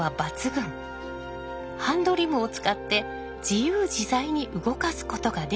ハンドリムを使って自由自在に動かすことができたのです。